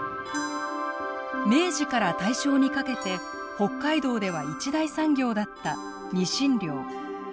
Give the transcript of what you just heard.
明治から大正にかけて北海道では一大産業だったニシン漁。